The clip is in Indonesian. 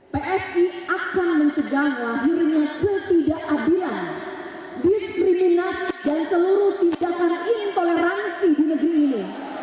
psi akan mencegah lahirnya ketidakadilan diskriminasi dan seluruh tindakan intoleransi di negeri ini